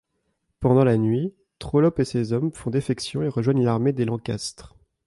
Pendant la nuit, Trollope et ses hommes font défection et rejoignent l'armée des Lancastre.